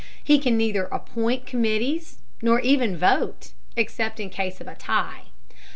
He can neither appoint committees, nor even vote, except in case of a tie.